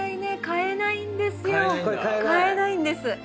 買えないんです。